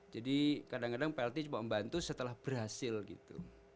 jadi kadang kadang plt cuma membantu setelah berhasil gitu